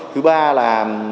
thứ ba là